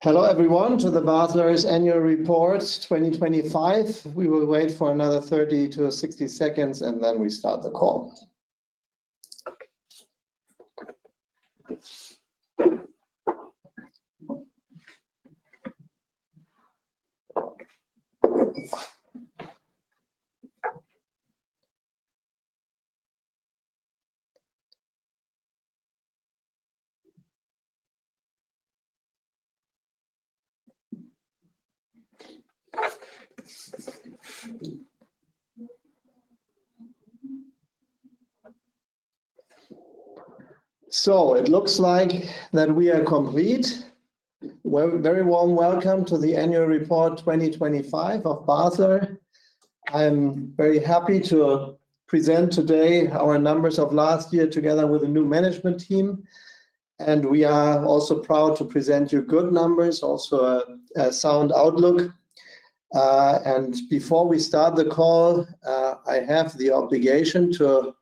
Hello everyone to the Basler Annual Report 2025. We will wait for another 30 to 60 seconds, and then we start the call. It looks like that we are complete. Very warm welcome to the annual report 2025 of Basler. I'm very happy to present today our numbers of last year together with the new management team, and we are also proud to present you good numbers, also a sound outlook. Before we start the call, I have the obligation to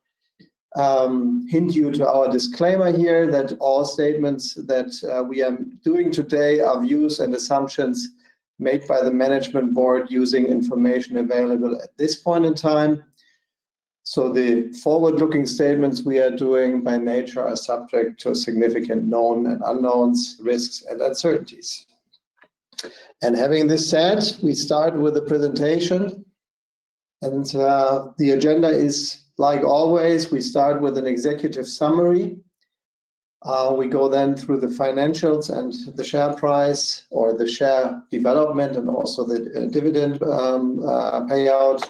hint you to our disclaimer here that all statements that we are doing today are views and assumptions made by the management board using information available at this point in time. The forward-looking statements we are doing, by nature, are subject to significant known and unknowns, risks and uncertainties. Having this said, we start with the presentation. The agenda is like always, we start with an executive summary. We go then through the financials and the share price or the share development and also the dividend payout.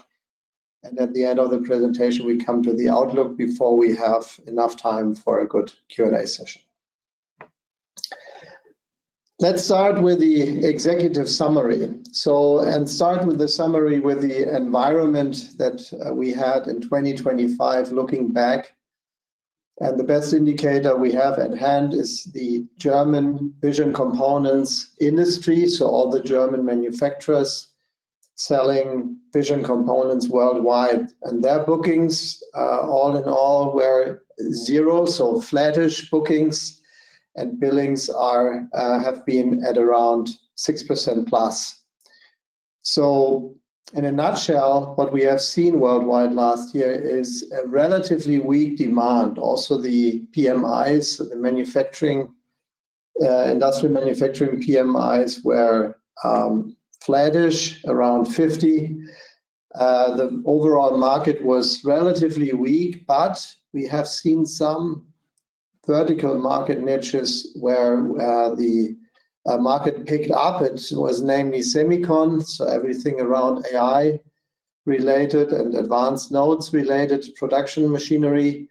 At the end of the presentation, we come to the outlook before we have enough time for a good Q&A session. Let's start with the executive summary. Start with the summary with the environment that we had in 2025 looking back. The best indicator we have at hand is the German vision components industry, all the German manufacturers selling vision components worldwide. Their bookings all in all were zero. Flattish bookings and billings have been at around 6%+. In a nutshell, what we have seen worldwide last year is a relatively weak demand. The PMIs, the industrial manufacturing PMIs were flattish around 50. The overall market was relatively weak, but we have seen some vertical market niches where the market picked up. It was namely semicon. Everything around AI-related and advanced nodes-related production machinery,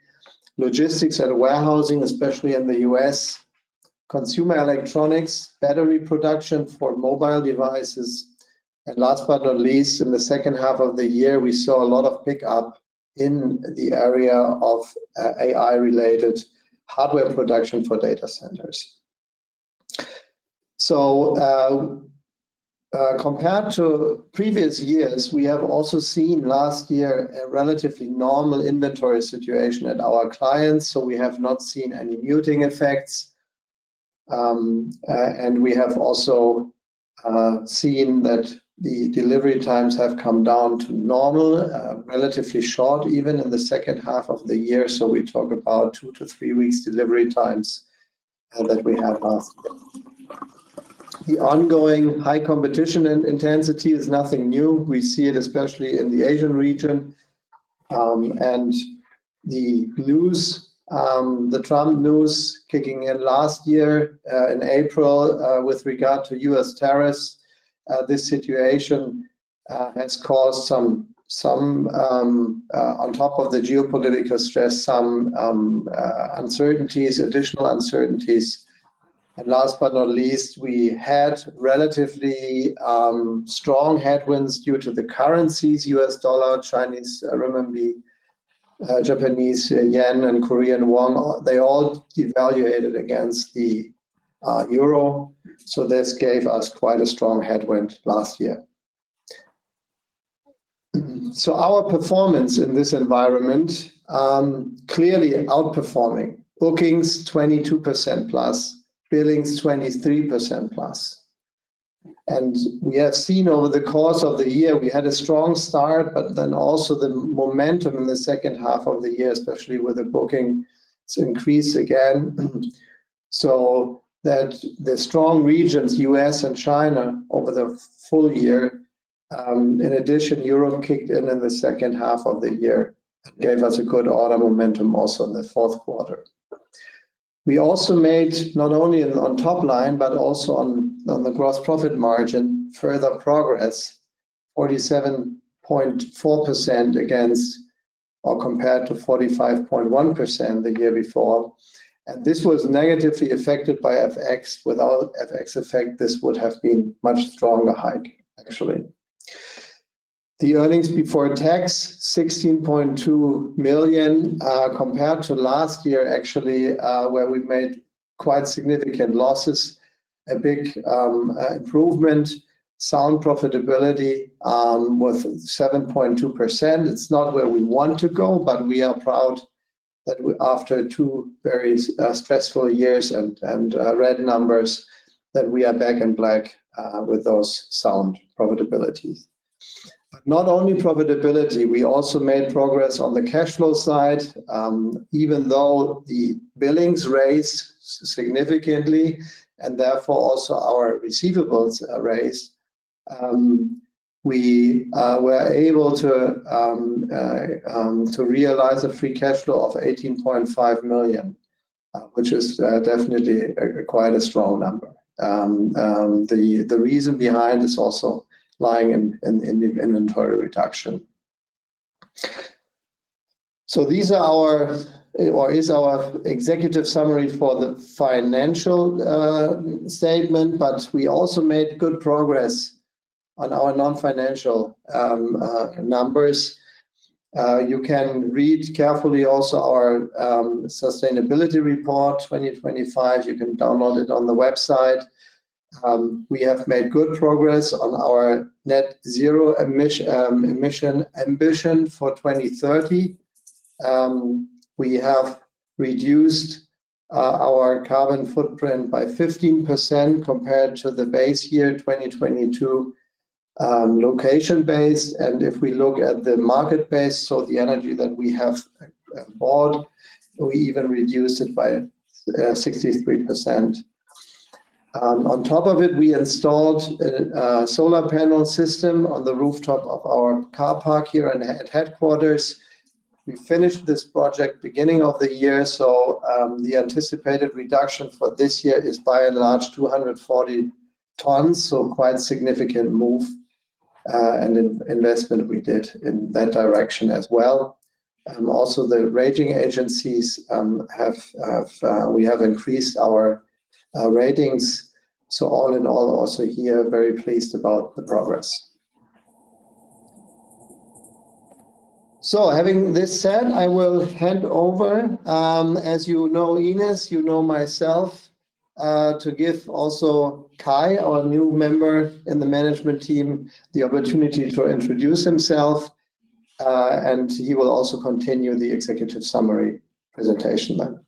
logistics and warehousing, especially in the U.S. Consumer electronics, battery production for mobile devices. Last but not least, in the second half of the year, we saw a lot of pickup in the area of AI-related hardware production for data centers. Compared to previous years, we have also seen last year a relatively normal inventory situation at our clients. We have not seen any muting effects. We have also seen that the delivery times have come down to normal, relatively short even in the second half of the year. We talk about two to three weeks delivery times that we had last year. The ongoing high competition intensity is nothing new. We see it especially in the Asian region. The news, the Trump news kicking in last year in April with regard to U.S. tariffs, this situation has caused some on top of the geopolitical stress, some uncertainties, additional uncertainties. Last but not least, we had relatively strong headwinds due to the currencies: U.S. dollar, Chinese renminbi, Japanese yen, and Korean Won. They all devaluated against the euro. This gave us quite a strong headwind last year. Our performance in this environment clearly outperforming. Bookings, 22%+. Billings, 23%+. We have seen over the course of the year, we had a strong start, but then also the momentum in the second half of the year, especially with the booking, it's increased again. That the strong regions, U.S. and China, over the full year. In addition, Europe kicked in in the second half of the year and gave us a good auto momentum also in the fourth quarter. We also made not only on top line, but also on the gross profit margin, further progress, 47.4% against or compared to 45.1% the year before. This was negatively affected by FX. Without FX effect, this would have been much stronger hike, actually. The earnings before tax, 16.2 million, compared to last year, actually, where we made quite significant losses, a big improvement. Sound profitability with 7.2%. It's not where we want to go, but we are proud that we, after two very stressful years and red numbers, are back in black with those sound profitabilities. Not only profitability, we also made progress on the cash flow side. Even though the billings rose significantly and therefore also our receivables rose, we were able to realize a free cash flow of 18.5 million, which is definitely quite a strong number. The reason behind is also lying in the inventory reduction. This is our executive summary for the financial statement, but we also made good progress on our non-financial numbers. You can read carefully also our sustainability report 2025. You can download it on the website. We have made good progress on our net zero emission ambition for 2030. We have reduced our carbon footprint by 15% compared to the base year 2022, location base. If we look at the market base, the energy that we have bought, we even reduced it by 63%. On top of it, we installed a solar panel system on the rooftop of our car park here at headquarters. We finished this project beginning of the year, the anticipated reduction for this year is by and large 240 tons. Quite significant move, and investment we did in that direction as well. Also, the rating agencies have increased our ratings. All in all, also here, very pleased about the progress. Having this said, I will hand over, as you know Ines, you know myself, to give also Kai, our new member in the management team, the opportunity to introduce himself. He will also continue the executive summary presentation then.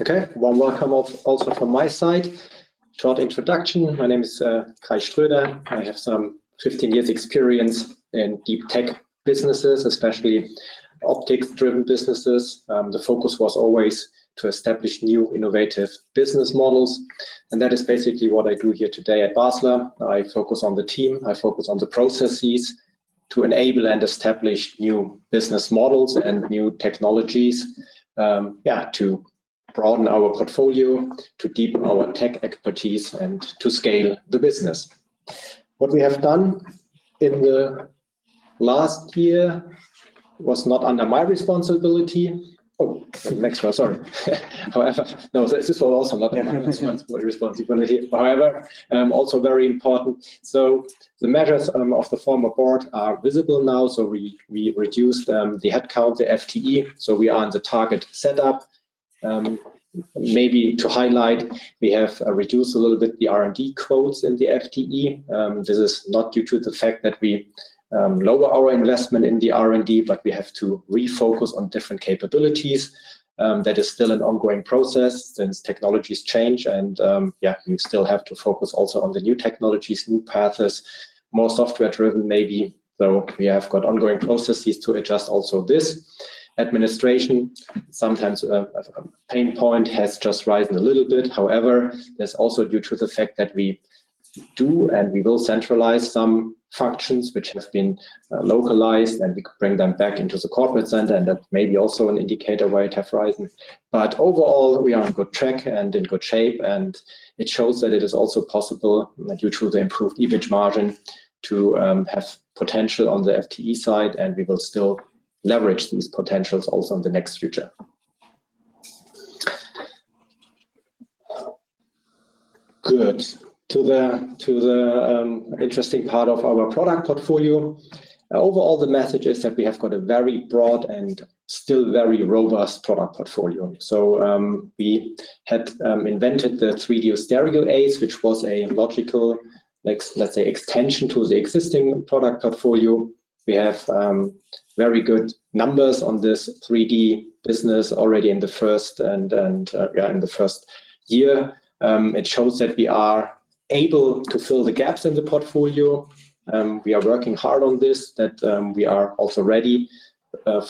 Okay. Well, welcome also from my side. Short introduction, my name is Kai Ströder. I have some 15 years experience in deep tech businesses, especially optics-driven businesses. The focus was always to establish new innovative business models, and that is basically what I do here today at Basler. I focus on the team, I focus on the processes to enable and establish new business models and new technologies, to broaden our portfolio, to deepen our tech expertise, and to scale the business. What we have done in the last year was not under my responsibility. However, this was also not under my responsibility. However, also very important. The measures of the former board are visible now. We reduced the headcount, the FTE. We are on the target set up. Maybe to highlight, we have reduced a little bit the R&D quotes in the FTE. This is not due to the fact that we lower our investment in the R&D, but we have to refocus on different capabilities. That is still an ongoing process since technologies change and we still have to focus also on the new technologies, new paths, more software driven maybe. We have got ongoing processes to adjust also this. Administration, sometimes a pain point has just risen a little bit. However, that's also due to the fact that we do, and we will centralize some functions which have been localized, and we could bring them back into the corporate center, and that may be also an indicator why it has risen. Overall, we are on good track and in good shape, and it shows that it is also possible due to the improved EBIT margin to have potential on the FTE side, and we will still leverage these potentials also in the near future. To the interesting part of our product portfolio. Overall, the message is that we have got a very broad and still very robust product portfolio. We had invented the 3D stereo cameras, which was a logical, let's say, extension to the existing product portfolio. We have very good numbers on this 3D business already in the first year. It shows that we are able to fill the gaps in the portfolio. We are working hard on this that we are also ready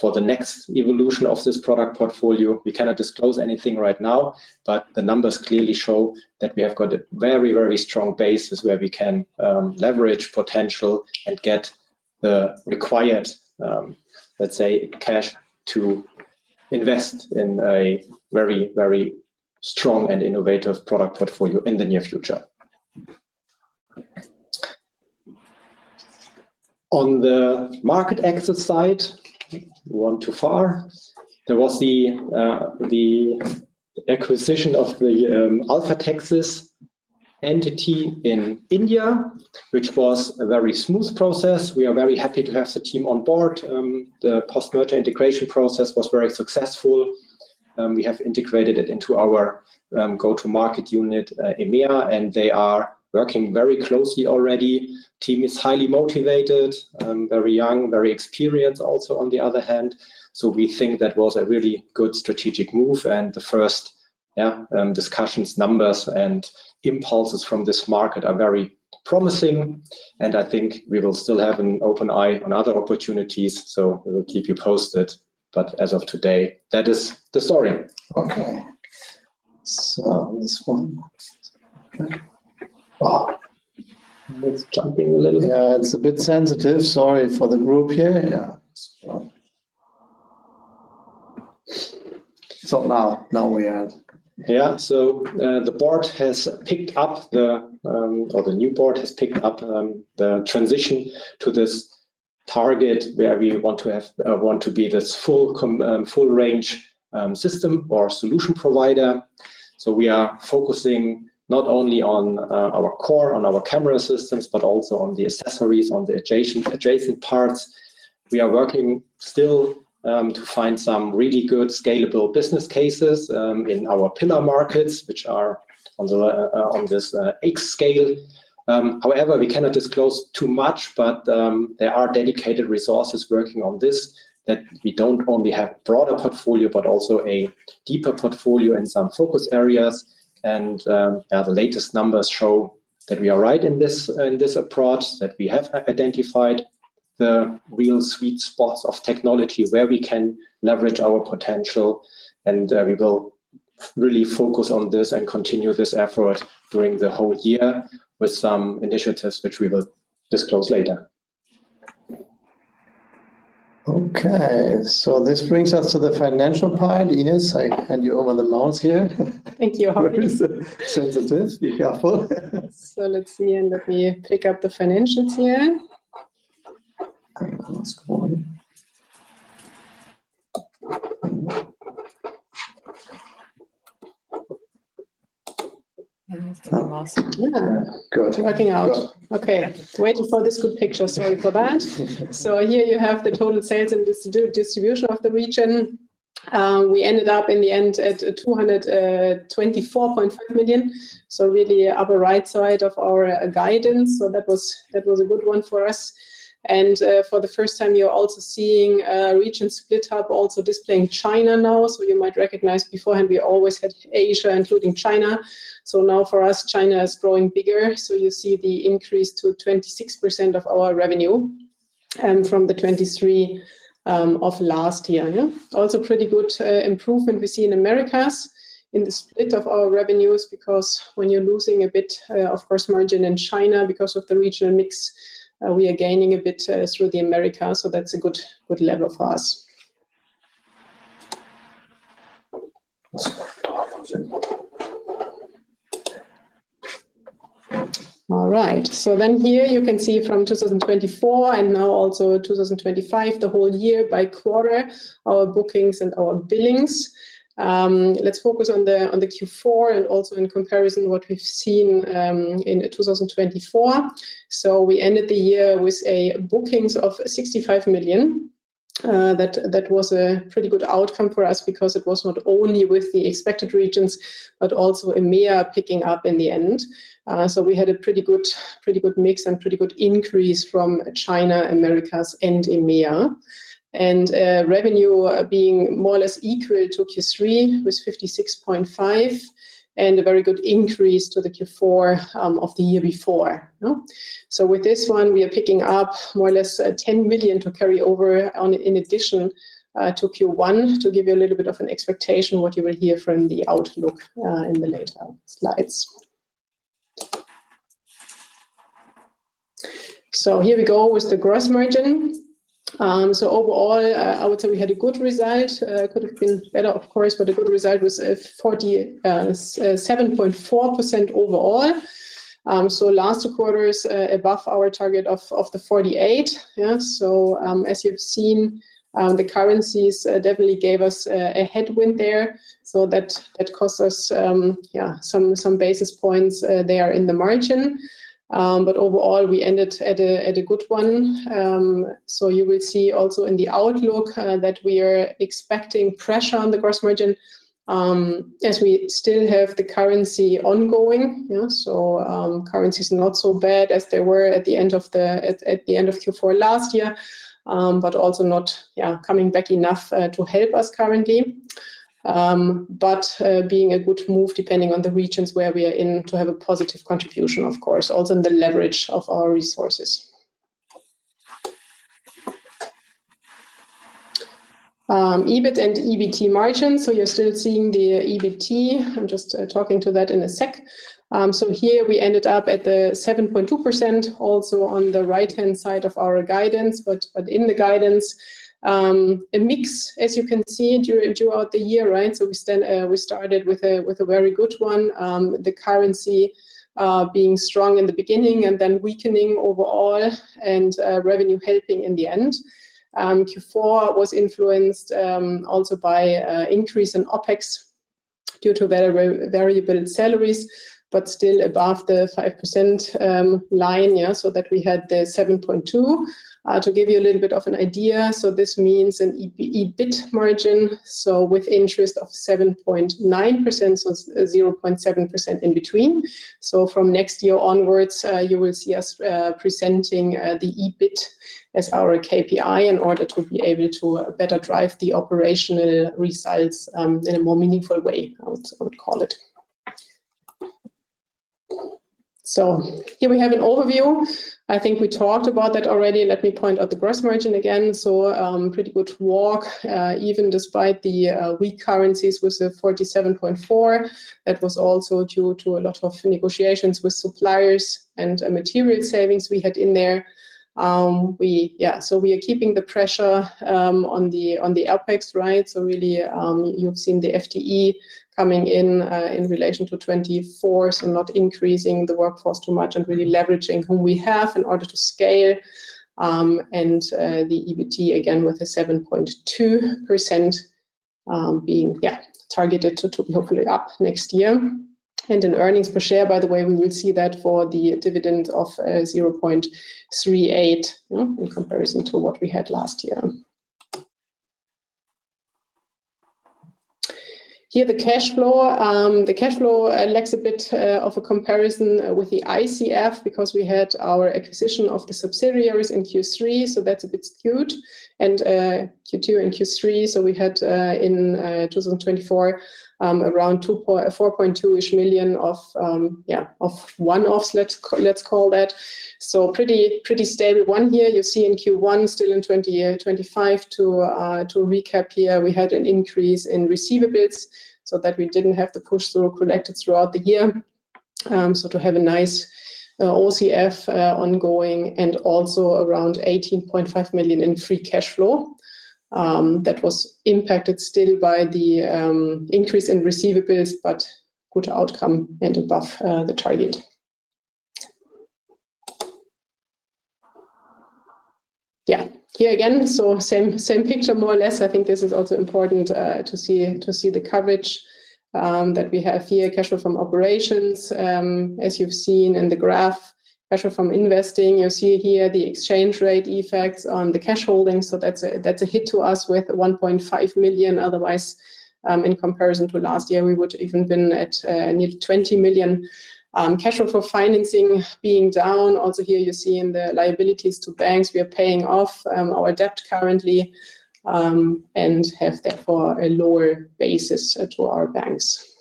for the next evolution of this product portfolio. We cannot disclose anything right now, but the numbers clearly show that we have got a very, very strong basis where we can leverage potential and get the required, let's say, cash to invest in a very, very strong and innovative product portfolio in the near future. On the market access side, there was the acquisition of the Alpha TechSys entity in India, which was a very smooth process. We are very happy to have the team on board. The post-merger integration process was very successful. We have integrated it into our go-to-market unit, EMEA, and they are working very closely already. Team is highly motivated, very young, very experienced also on the other hand. We think that was a really good strategic move, and the first discussions, numbers, and impulses from this market are very promising, and I think we will still have an open eye on other opportunities, so we will keep you posted. As of today, that is the story. Okay. This one. Okay. Wow. It's jumping a little bit. Yeah, it's a bit sensitive. Sorry for the group here. Yeah. Now we add. The new board has picked up the transition to this target where we want to be this full range system or solution provider. We are focusing not only on our core camera systems, but also on the accessories, on the adjacent parts. We are working still to find some really good scalable business cases in our pillar markets, which are on this X scale. However, we cannot disclose too much, but there are dedicated resources working on this that we not only have broader portfolio, but also a deeper portfolio in some focus areas. The latest numbers show that we are right in this approach, that we have identified the real sweet spots of technology where we can leverage our potential and we will really focus on this and continue this effort during the whole year with some initiatives which we will disclose later. Okay. This brings us to the financial part. Ines, I hand you over the mouse here. Thank you, Hardy. It is sensitive. Be careful. Let's see and let me pick up the financials here. Okay, last one. This is the last. Yeah. Good. Working out. Good. Waiting for this good picture. Sorry for that. Here you have the total sales and distribution of the region. We ended up in the end at 224.5 million, so really upper right side of our guidance. That was a good one for us. For the first time, you're also seeing a region split up, also displaying China now. You might recognize beforehand we always had Asia, including China. Now for us, China is growing bigger, so you see the increase to 26% of our revenue from the 23% of last year, yeah. Pretty good improvement we see in Americas in the split of our revenues, because when you're losing a bit of course margin in China because of the regional mix, we are gaining a bit through the Americas, so that's a good level for us. All right. Here you can see from 2024 and now also 2025, the whole year by quarter, our bookings and our billings. Let's focus on the Q4 and also in comparison what we've seen in 2024. We ended the year with bookings of 65 million. That was a pretty good outcome for us because it was not only with the expected regions, but also EMEA picking up in the end. We had a pretty good mix and pretty good increase from China, Americas and EMEA. Revenue being more or less equal to Q3 with 56.5 million, and a very good increase to the Q4 of the year before. No? With this one, we are picking up more or less 10 million to carry over in addition to Q1 to give you a little bit of an expectation what you will hear from the outlook in the later slides. Here we go with the gross margin. Overall, I would say we had a good result. Could have been better, of course, but a good result was 47.4% overall. Last quarter is above our target of the 48%. Yeah. As you've seen, the currencies definitely gave us a headwind there. That cost us some basis points there in the margin. Overall, we ended at a good one. You will see also in the outlook that we are expecting pressure on the gross margin as we still have the currency ongoing. Currency is not so bad as they were at the end of Q4 last year, but also not coming back enough to help us currently. Being a good move, depending on the regions where we are in to have a positive contribution, of course, also in the leverage of our resources. EBIT and EBT margin. You're still seeing the EBT. I'm just talking to that in a sec. Here we ended up at the 7.2%, also on the right-hand side of our guidance, but in the guidance, a mix, as you can see throughout the year, right? We started with a very good one, the currency being strong in the beginning and then weakening overall and revenue helping in the end. Q4 was influenced also by increase in OpEx due to very variable salaries, but still above the 5% line, yeah, so that we had the 7.2%. To give you a little bit of an idea, this means an EBIT margin, with interest of 7.9%, 0.7% in between. From next year onwards, you will see us presenting the EBIT as our KPI in order to be able to better drive the operational results in a more meaningful way, I would call it. Here we have an overview. I think we talked about that already. Let me point out the gross margin again. A pretty good walk even despite the weak currencies with the 47.4%. That was also due to a lot of negotiations with suppliers and material savings we had in there. We are keeping the pressure on the OpEx, right? Really, you have seen the FTE coming in in relation to 2024, so not increasing the workforce too much and really leveraging who we have in order to scale. The EBT again, with the 7.2%, being targeted to hopefully up next year. In earnings per share, by the way, we will see that for the dividend of 0.38 in comparison to what we had last year. Here the cash flow lacks a bit of a comparison with the ICF because we had our acquisition of the subsidiaries in Q3, so that's a bit skewed and Q2 and Q3. We had in 2024 around 4.2-ish million of one-offs, let's call that. Pretty stable one here. You see in Q1 2025, to recap here, we had an increase in receivables so that we did have to pursue collections throughout the year. To have a nice OCF ongoing and also around 18.5 million in free cash flow, that was impacted still by the increase in receivables, but good outcome and above the target. Yeah. Here again, same picture more or less. I think this is also important to see the coverage that we have here, cash flow from operations. As you've seen in the graph, cash flow from investing. You see here the exchange rate effects on the cash holdings. That's a hit to us with 1.5 million. Otherwise, in comparison to last year, we would even been at nearly 20 million. Cash flow for financing being down. Also here you see in the liabilities to banks, we are paying off our debt currently, and have therefore a lower basis to our banks.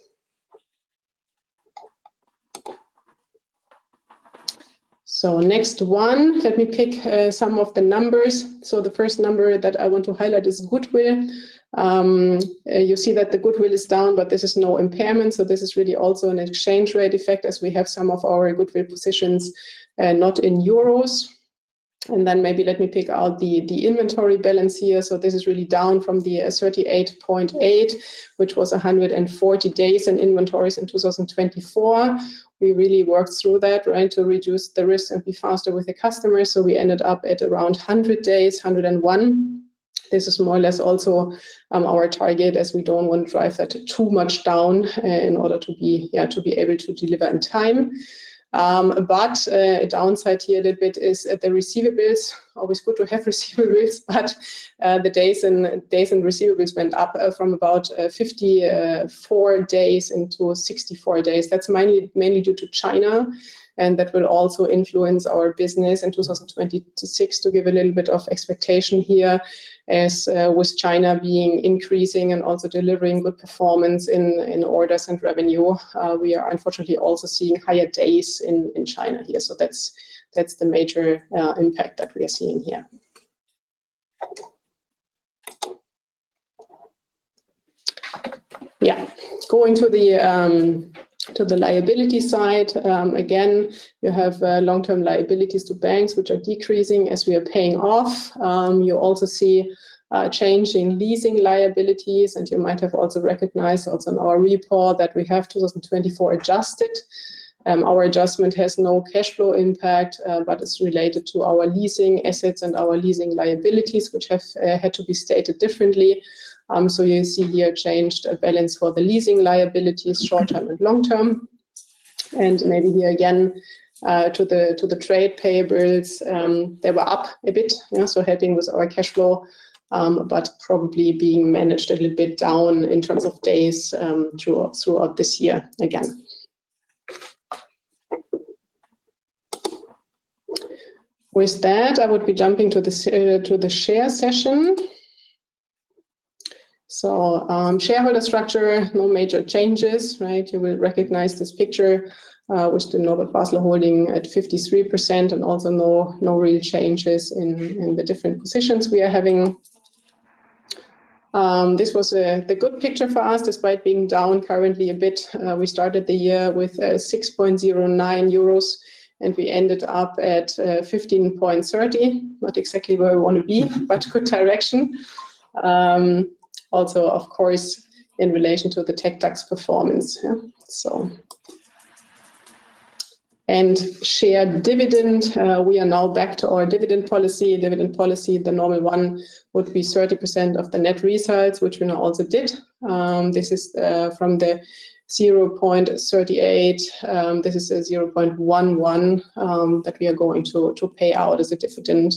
Next one, let me pick some of the numbers. The first number that I want to highlight is goodwill. You see that the goodwill is down, but this is no impairment. This is really also an exchange rate effect as we have some of our goodwill positions not in euros. Then maybe let me pick out the inventory balance here. This is really down from the 38.8, which was 140 days in inventories in 2024. We really worked through that, right, to reduce the risk and be faster with the customers. We ended up at around 100 days, 101. This is more or less also our target as we don't want to drive that too much down in order to be able to deliver in time. A downside here a little bit is the receivables. Always good to have receivables, but the days and receivables went up from about 54 days to 64 days. That's mainly due to China, and that will also influence our business in 2025-2026 to give a little bit of expectation here as with China being increasing and also delivering good performance in orders and revenue. We are unfortunately also seeing higher days in China here. That's the major impact that we are seeing here. Yeah. Going to the liability side, again, you have long-term liabilities to banks which are decreasing as we are paying off. You also see a change in leasing liabilities, and you might have also recognized in our report that we have 2024 adjusted. Our adjustment has no cash flow impact, but it's related to our leasing assets and our leasing liabilities, which have had to be stated differently. You see here changed balance for the leasing liabilities short-term and long-term. Maybe here again to the trade payables, they were up a bit, yeah, so helping with our cash flow, but probably being managed a little bit down in terms of days, throughout this year again. With that, I would be jumping to the share session. Shareholder structure, no major changes, right? You will recognize this picture with the Norbert Basler Holding at 53% and also no real changes in the different positions we are having. This was the good picture for us despite being down currently a bit. We started the year with 6.09 euros, and we ended up at 15.30. Not exactly where we want to be, but good direction. Also, of course, in relation to the TecDAX performance, yeah. Share dividend, we are now back to our dividend policy. Dividend policy, the normal one would be 30% of the net results, which we now also did. This is from the 0.38. This is a 0.11 that we are going to pay out as a dividend,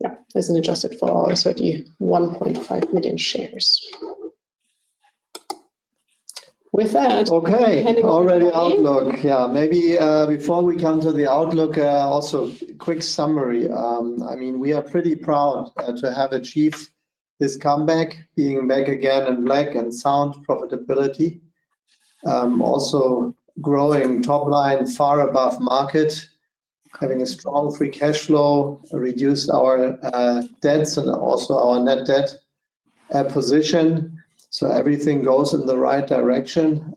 yeah, as adjusted for our 31.5 million shares. With that. Okay. Handing over to you. Maybe before we come to the outlook, also quick summary. I mean, we are pretty proud to have achieved this comeback, being back again in black and sound profitability. Also growing top line far above market, having a strong free cash flow, reduced our debts and also our net debt position. Everything goes in the right direction.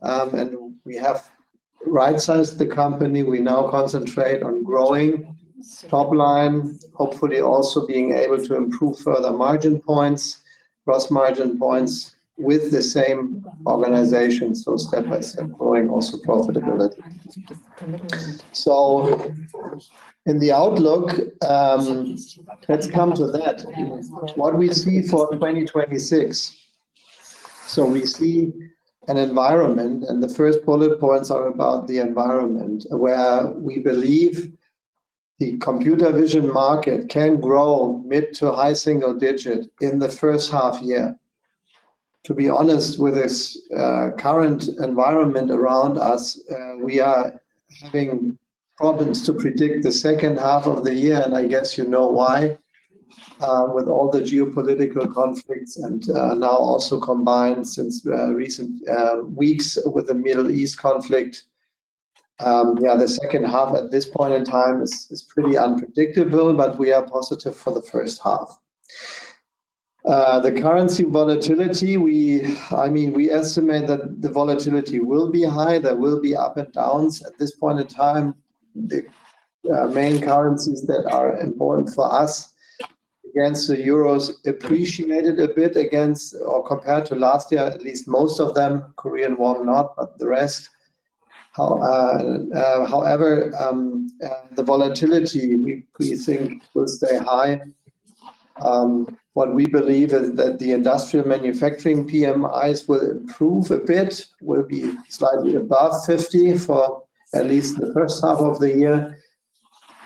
We have rightsized the company. We now concentrate on growing top line, hopefully also being able to improve further margin points, gross margin points with the same organization, step by step growing also profitability. In the outlook, let's come to that. What we see for 2026. We see an environment, and the first bullet points are about the environment, where we believe the computer vision market can grow mid- to high-single-digit in the first half year. To be honest, with this current environment around us, we are having problems to predict the second half of the year, and I guess you know why. With all the geopolitical conflicts and now also combined since recent weeks with the Middle East conflict. Yeah, the second half at this point in time is pretty unpredictable, but we are positive for the first half. The currency volatility, I mean, we estimate that the volatility will be high. There will be ups and downs. At this point in time, the main currencies that are important for us against the euro appreciated a bit against or compared to last year, at least most of them, Korean Won not, but the rest. However, the volatility we think will stay high. What we believe is that the industrial manufacturing PMIs will improve a bit, will be slightly above 50 for at least the first half of the year.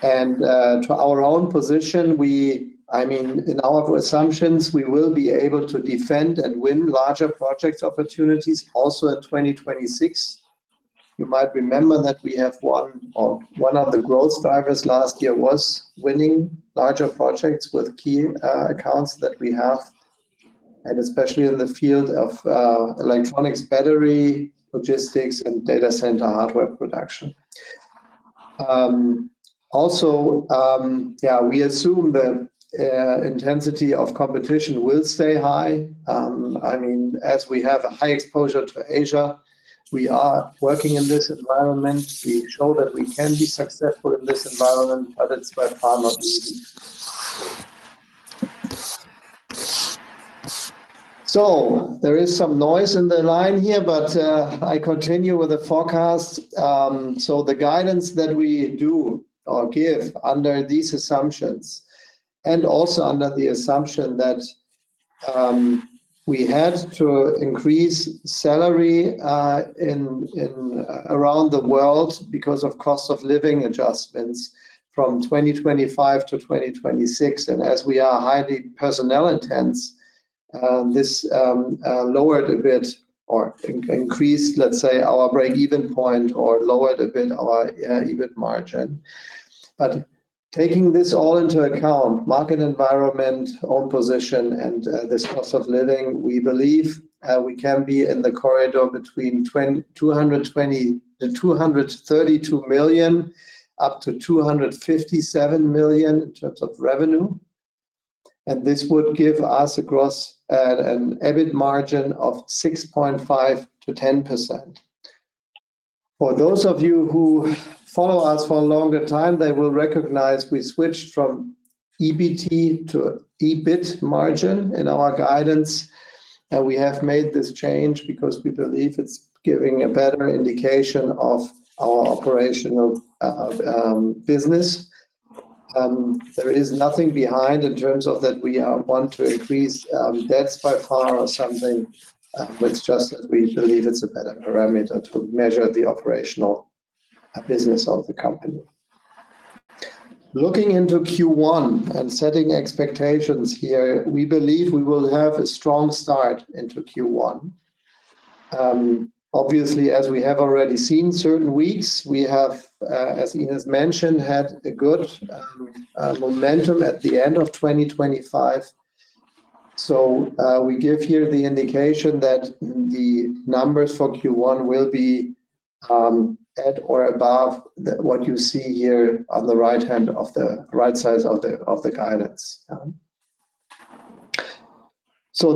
To our own position, I mean, in our assumptions, we will be able to defend and win larger project opportunities also at 2026. You might remember that we have one of the growth drivers last year was winning larger projects with key accounts that we have, and especially in the field of electronics, battery, logistics and data center hardware production. Also, yeah, we assume the intensity of competition will stay high. I mean, as we have a high exposure to Asia, we are working in this environment. We show that we can be successful in this environment, but it's by far not easy. There is some noise in the line here, but I continue with the forecast. The guidance that we do or give under these assumptions, and also under the assumption that we had to increase salary in around the world because of cost of living adjustments from 2025 to 2026. As we are highly personnel intense, this lowered a bit or increased, let's say, our break-even point or lowered a bit our EBIT margin. Taking this all into account, market environment, own position and this cost of living, we believe we can be in the corridor between 220 million-232 million, up to 257 million in terms of revenue. This would give us an EBIT margin of 6.5%-10%. For those of you who follow us for a longer time, they will recognize we switched from EBT to EBIT margin in our guidance. We have made this change because we believe it's giving a better indication of our operational business. There is nothing behind in terms of that we want to increase debts by far or something. It's just that we believe it's a better parameter to measure the operational business of the company. Looking into Q1 and setting expectations here, we believe we will have a strong start into Q1. Obviously, as we have already seen certain weeks, we have, as Ines mentioned, had a good momentum at the end of 2025. We give here the indication that the numbers for Q1 will be at or above what you see here on the right side of the guidance.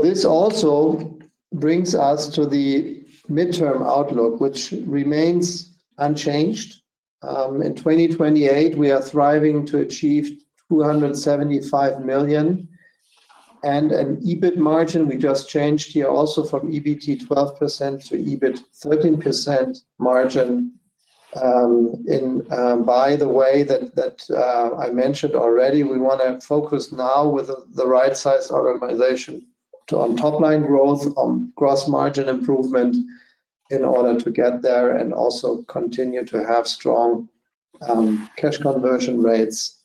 This also brings us to the midterm outlook, which remains unchanged. In 2028, we are thriving to achieve 275 million. An EBIT margin we just changed here also from EBT 12% to EBIT 13% margin. By the way that I mentioned already, we want to focus now with the right size optimization to on top line growth, on gross margin improvement in order to get there and also continue to have strong cash conversion rates.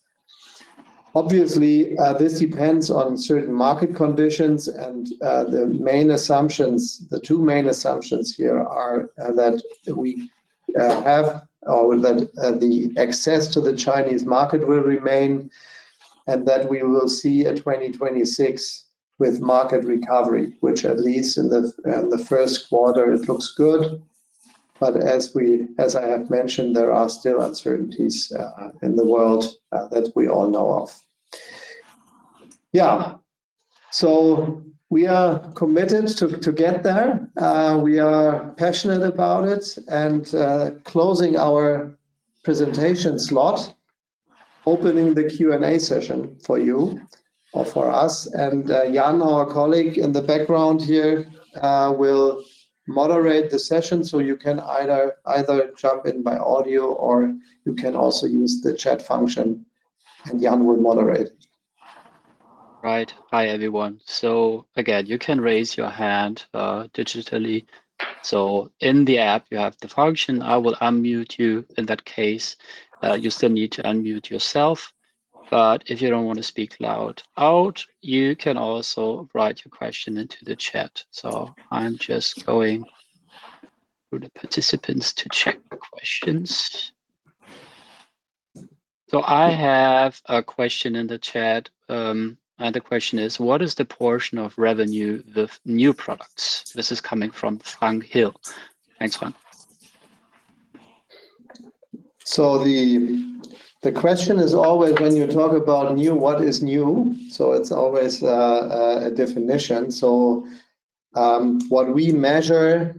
Obviously, this depends on certain market conditions and the main assumptions, the two main assumptions here are that we have or that the access to the Chinese market will remain and that we will see a 2026 with market recovery, which at least in the first quarter it looks good. But as I have mentioned, there are still uncertainties in the world that we all know of. Yeah. We are committed to get there. We are passionate about it and closing our presentation slot, opening the Q&A session for you or for us. Jan, our colleague in the background here, will moderate the session, so you can either jump in by audio, or you can also use the chat function, and Jan will moderate. Right. Hi, everyone. Again, you can raise your hand digitally. In the app, you have the function. I will unmute you in that case. You still need to unmute yourself. But if you don't wanna speak out loud, you can also write your question into the chat. I'm just going through the participants to check the questions. I have a question in the chat. The question is: What is the portion of revenue with new products? This is coming from Frank Hill. Thanks, Frank. The question is always when you talk about new, what is new? It's always a definition. What we measure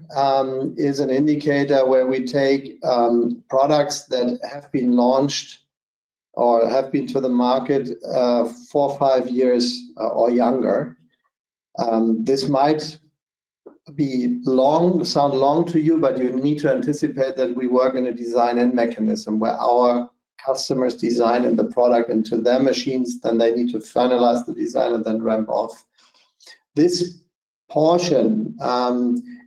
is an indicator where we take products that have been launched or have been to the market four or five years or younger. This might sound long to you, but you need to anticipate that we work in a design-in mechanism where our customers design in the product into their machines, then they need to finalize the design and then ramp off. This portion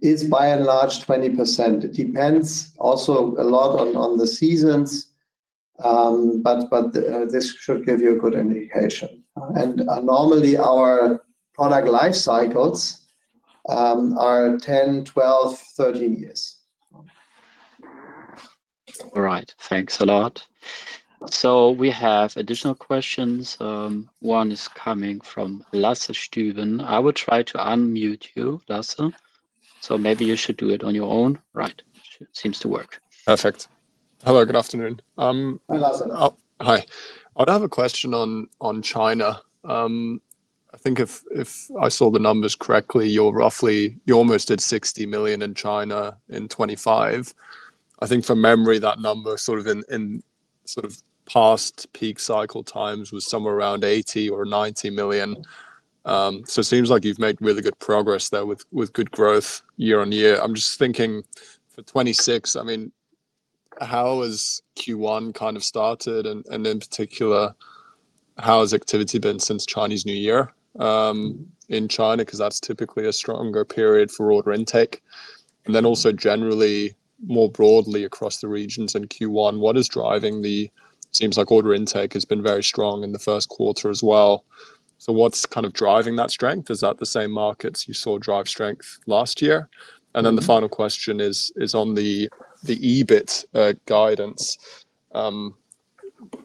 is by and large 20%. It depends also a lot on the seasons, but this should give you a good indication. Normally, our product life cycles are 10, 12, 13 years. All right. Thanks a lot. We have additional questions. One is coming from Lasse Stueben. I will try to unmute you, Lasse. Maybe you should do it on your own. Right. Seems to work. Perfect. Hello, good afternoon. Hi, Lasse. Oh, hi. I have a question on China. I think if I saw the numbers correctly, you almost did 60 million in China in 2025. I think from memory, that number sort of in sort of past peak cycle times was somewhere around 80 million-90 million. It seems like you've made really good progress there with good growth year-over-year. I'm just thinking for 2026, I mean, how has Q1 kind of started and in particular, how has activity been since Chinese New Year in China? 'Cause that's typically a stronger period for order intake. Then also generally, more broadly across the regions in Q1, what is driving. Seems like order intake has been very strong in the first quarter as well. What's kind of driving that strength? Is that the same markets you saw drive strength last year? The final question is on the EBIT guidance.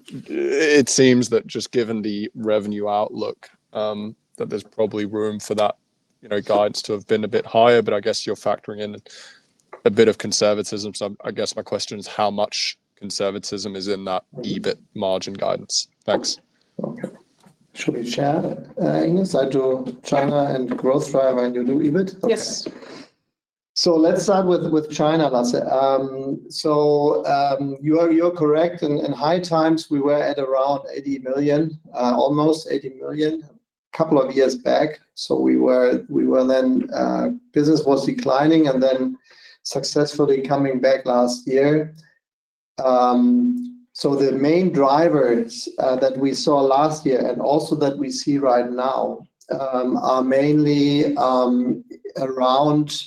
It seems that just given the revenue outlook, that there's probably room for that, you know, guidance to have been a bit higher, but I guess you're factoring in a bit of conservatism. I guess my question is how much conservatism is in that EBIT margin guidance? Thanks. Okay. Should we share, Ines, to China and growth driver and you do EBIT? Yes. Let's start with China, Lasse. You are correct. In high times, we were at around 80 million, almost 80 million a couple of years back. We were then business was declining and then successfully coming back last year. The main drivers that we saw last year and also that we see right now are mainly around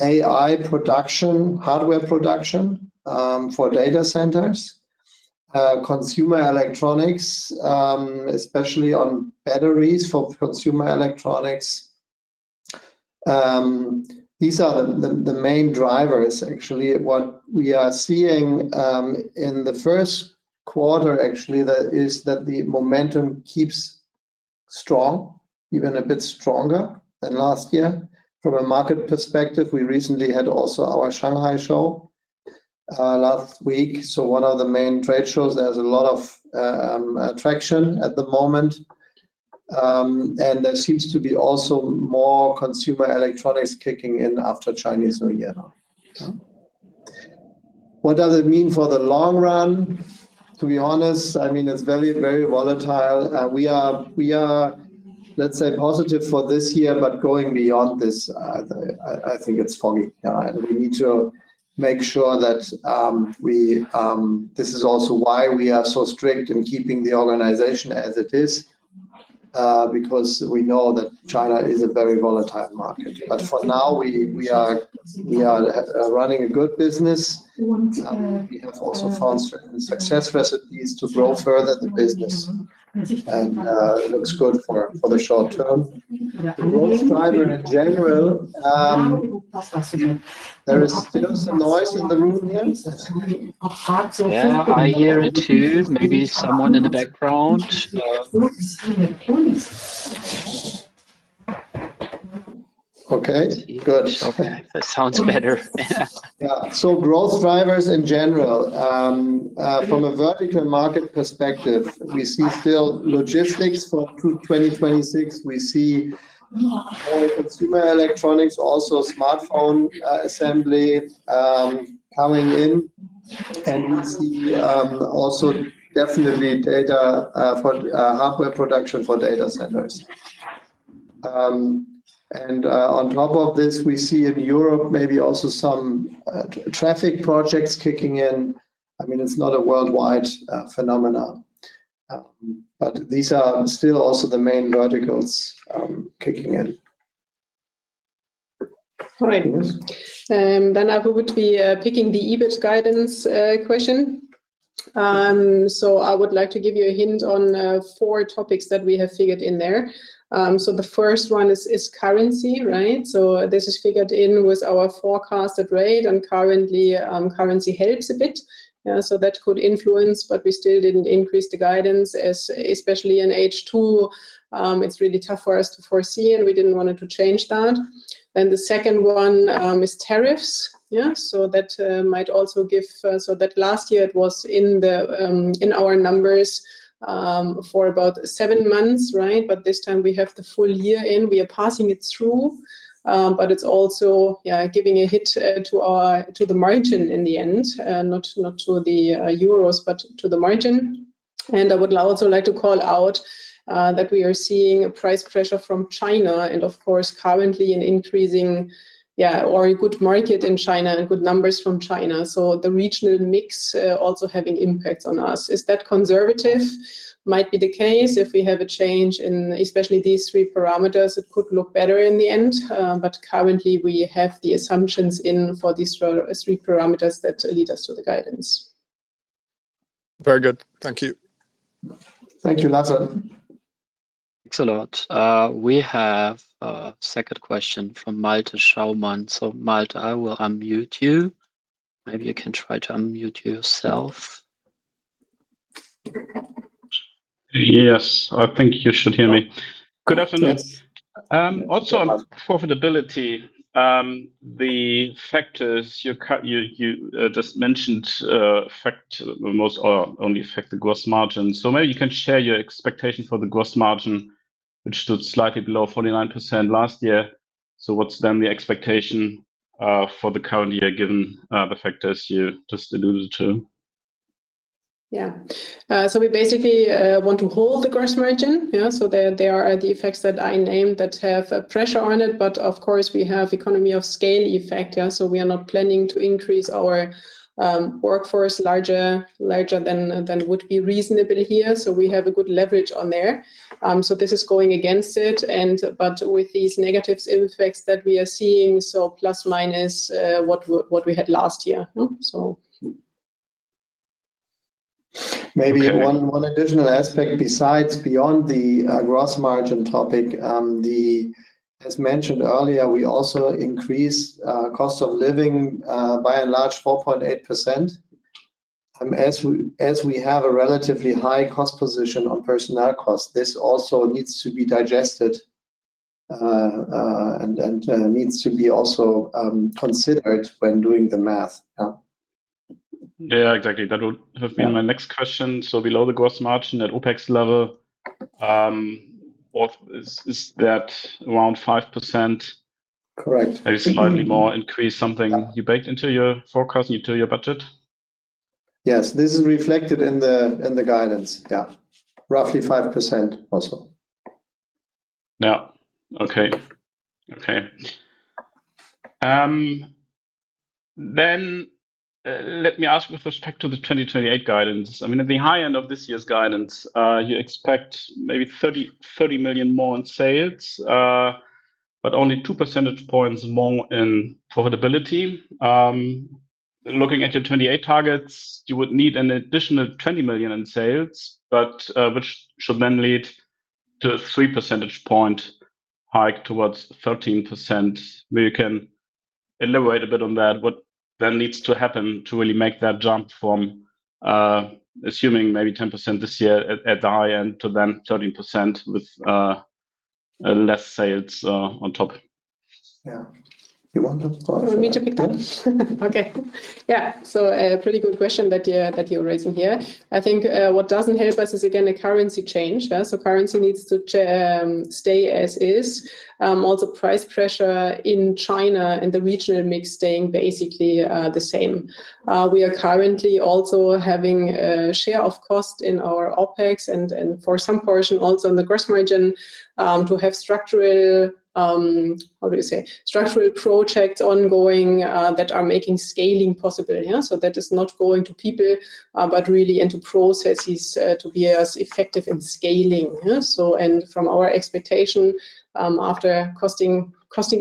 AI production, hardware production for data centers, consumer electronics, especially on batteries for consumer electronics. These are the main drivers actually. What we are seeing in the first quarter actually is that the momentum keeps strong, even a bit stronger than last year. From a market perspective, we recently had also our Shanghai show last week, one of the main trade shows. There's a lot of attraction at the moment. There seems to be also more consumer electronics kicking in after Chinese New Year. What does it mean for the long run? To be honest, I mean, it's very, very volatile. We are, let's say, positive for this year, but going beyond this, I think it's foggy. This is also why we are so strict in keeping the organization as it is, because we know that China is a very volatile market. For now, we are running a good business. We have also found success recipes to grow further the business, and it looks good for the short term. The growth driver in general, there is still some noise in the room here. Yeah, I hear it too. Maybe someone in the background. Okay, good. Okay, that sounds better. Yeah. Growth drivers in general, from a vertical market perspective, we see still logistics through 2026. We see consumer electronics, also smartphone assembly coming in. We see also definitely data for hardware production for data centers. On top of this, we see in Europe maybe also some traffic projects kicking in. I mean, it's not a worldwide phenomena. These are still also the main verticals kicking in. All right. I would be picking the EBIT guidance question. I would like to give you a hint on four topics that we have figured in there. The first one is currency, right? This is figured in with our forecasted rate, and currently, currency helps a bit, so that could influence, but we still didn't increase the guidance, especially in H2. It's really tough for us to foresee, and we didn't want it to change that. The second one is tariffs. Yeah, that might also give. That last year it was in our numbers for about seven months, right? But this time we have the full year in. We are passing it through, but it's also giving a hit to our margin in the end, not to the euros, but to the margin. I would also like to call out that we are seeing a price pressure from China and of course currently an increasing or a good market in China and good numbers from China, so the regional mix also having impacts on us. Is that conservative? Might be the case. If we have a change in especially these three parameters, it could look better in the end. Currently we have the assumptions in for these three parameters that lead us to the guidance. Very good. Thank you. Thank you, Lasse. Thanks a lot. We have a second question from Malte Schaumann. Malte, I will unmute you. Maybe you can try to unmute yourself. Yes, I think you should hear me. Good afternoon. Yes. Also on profitability, the factors you just mentioned affect most or only affect the gross margin. Maybe you can share your expectation for the gross margin, which stood slightly below 49% last year. What's then the expectation for the current year given the factors you just alluded to? Yeah. We basically want to hold the gross margin. Yeah, there are the effects that I named that have a pressure on it. But of course, we have economies of scale effect, yeah, we are not planning to increase our workforce larger than would be reasonable here. We have a good leverage there. This is going against it, but with these negative effects that we are seeing, plus minus what we had last year. Maybe one additional aspect besides beyond the gross margin topic, as mentioned earlier, we also increased cost of living by and large 4.8%. As we have a relatively high cost position on personnel cost, this also needs to be digested and needs to be also considered when doing the math. Yeah. Yeah, exactly. That would have been my next question. Below the gross margin at OpEx level, what is that around 5%? Correct. Maybe slightly more increase something you baked into your forecast, into your budget? Yes. This is reflected in the guidance. Yeah. Roughly 5% also. Let me ask with respect to the 2028 guidance. I mean, at the high end of this year's guidance, you expect maybe 30 million more in sales, but only 2 percentage points more in profitability. Looking at your 2028 targets, you would need an additional 20 million in sales, but which should then lead to a 3 percentage point hike towards 13%. Maybe you can elaborate a bit on that, what then needs to happen to really make that jump from assuming maybe 10% this year at the high end to then 13% with less sales on top. Yeah. You want to, of course. You want me to pick up? Okay. Yeah. A pretty good question that you're raising here. I think what doesn't help us is again the currency change. Currency needs to stay as is. Also price pressure in China, in the regional mix staying basically the same. We are currently also having a share of cost in our OpEx and for some portion also in the gross margin to have structural projects ongoing that are making scaling possible. That is not going to people, but really into processes to be as effective in scaling. Yeah. From our expectation, after costing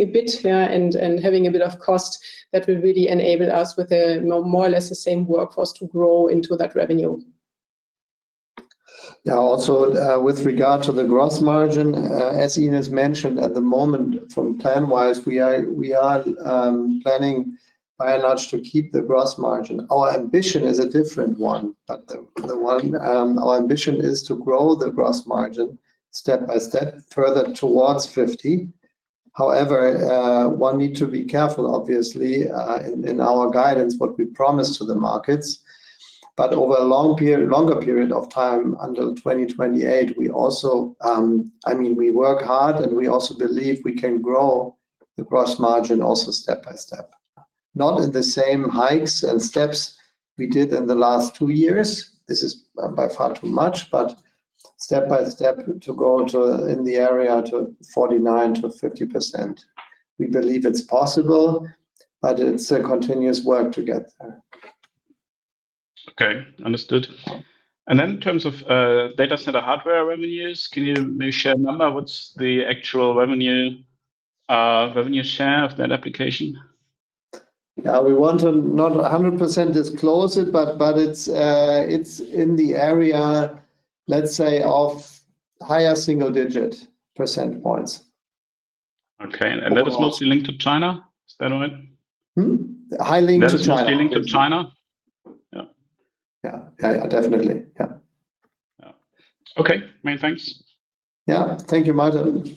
a bit, yeah, and having a bit of cost, that will really enable us with a more or less the same workforce to grow into that revenue. Yeah. Also, with regard to the gross margin, as Ines mentioned at the moment from plan-wise, we are planning by and large to keep the gross margin. Our ambition is a different one, but our ambition is to grow the gross margin step by step further towards 50%. However, one need to be careful obviously, in our guidance, what we promise to the markets. Over a longer period of time until 2028, we also, I mean we work hard, and we also believe we can grow the gross margin also step by step. Not in the same hikes and steps we did in the last two years. This is by far too much, but step by step to go to, in the area to 49%-50%. We believe it's possible, but it's a continuous work to get there. Okay. Understood. In terms of data center hardware revenues, can you maybe share a number? What's the actual revenue share of that application? Yeah. We want to not 100% disclose it, but it's in the area, let's say, of higher single digit percentage points. Okay. That is mostly linked to China? Is that right? Highly linked to China. That is mostly linked to China? Yeah. Yeah, definitely. Yeah. Okay. Many thanks. Yeah. Thank you, Malte.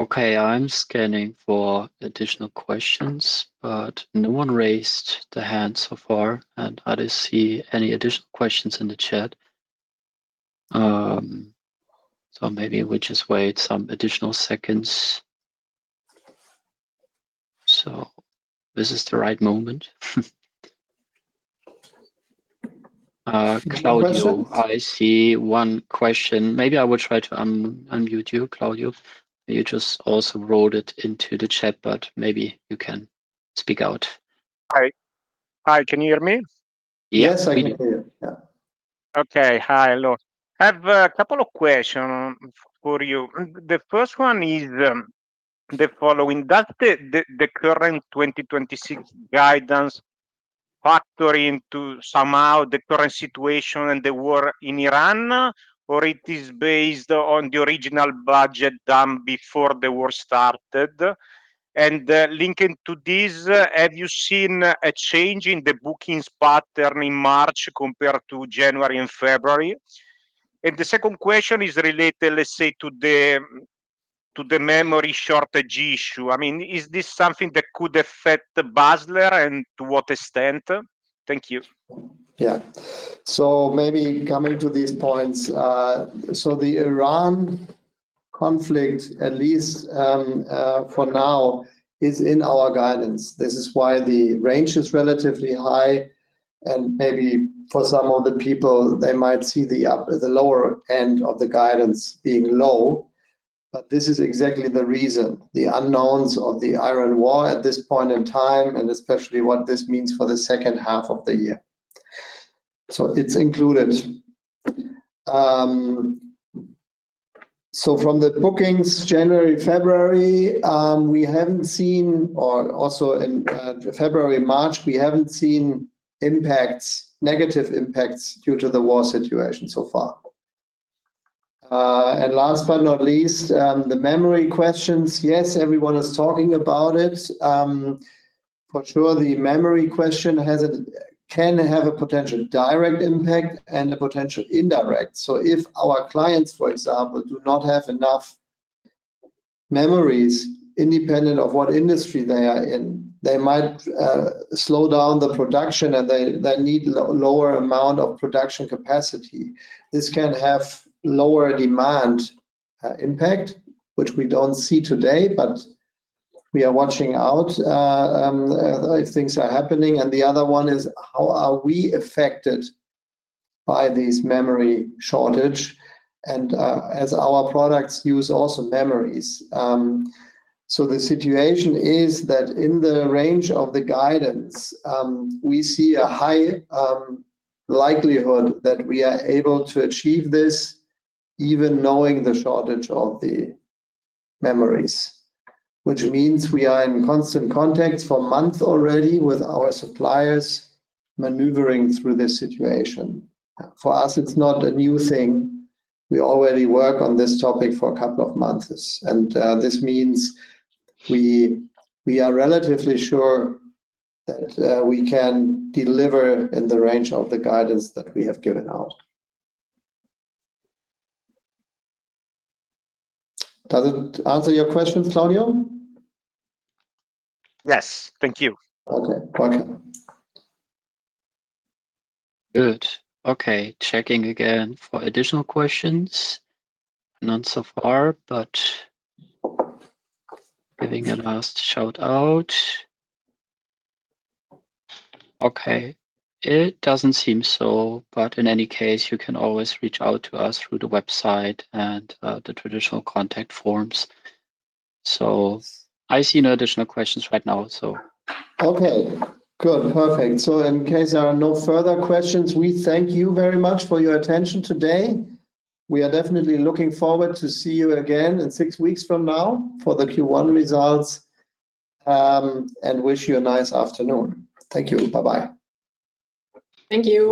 Okay. I'm scanning for additional questions, but no one raised their hand so far, and I don't see any additional questions in the chat. Maybe we just wait some additional seconds. This is the right moment. Claudio- Any questions? I see one question. Maybe I will try to unmute you, Claudio. You just also wrote it into the chat, but maybe you can speak out. Hi. Hi, can you hear me? Yes, I can hear you. Yeah. Okay. Hi, hello. I have a couple of question for you. The first one is the following. Does the current 2026 guidance factor into somehow the current situation and the war in Iran, or it is based on the original budget done before the war started? Linking to this, have you seen a change in the bookings pattern in March compared to January and February? The second question is related, let's say, to the memory shortage issue. I mean, is this something that could affect Basler and to what extent? Thank you. Yeah, maybe coming to these points. The Iran conflict, at least for now, is in our guidance. This is why the range is relatively high, and maybe for some of the people, they might see the lower end of the guidance being low. This is exactly the reason, the unknowns of the Iran war at this point in time, and especially what this means for the second half of the year. It's included. From the bookings January, February, we haven't seen, or also in February, March, we haven't seen negative impacts due to the war situation so far. Last but not least, the memory questions. Yes, everyone is talking about it. For sure the memory question can have a potential direct impact and a potential indirect. If our clients, for example, do not have enough memories independent of what industry they are in, they might slow down the production and they need lower amount of production capacity. This can have lower demand impact, which we don't see today, but we are watching out if things are happening. The other one is how are we affected by this memory shortage and as our products use also memories. The situation is that in the range of the guidance, we see a high likelihood that we are able to achieve this even knowing the shortage of the memories. Which means we are in constant contact for months already with our suppliers maneuvering through this situation. For us, it's not a new thing. We already work on this topic for a couple of months. This means we are relatively sure that we can deliver in the range of the guidance that we have given out. Does it answer your question, Claudio? Yes. Thank you. Okay. Welcome. Good. Okay. Checking again for additional questions. None so far, but giving a last shout-out. Okay. It doesn't seem so, but in any case, you can always reach out to us through the website and the traditional contact forms. I see no additional questions right now. Okay. Good. Perfect. In case there are no further questions, we thank you very much for your attention today. We are definitely looking forward to see you again in six weeks from now for the Q1 results, and wish you a nice afternoon. Thank you. Bye-bye. Thank you.